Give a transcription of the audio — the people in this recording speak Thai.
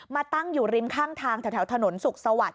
ตั้งอยู่ริมข้างทางแถวถนนสุขสวัสดิ